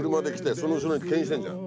その後ろにけん引してんじゃん。